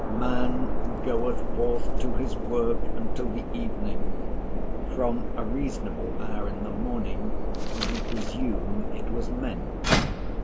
"Man goeth forth to his work until the evening"—from a reasonable hour in the morning, we presume it was meant.